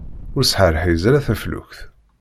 Ur sḥerḥiz ara taflukt!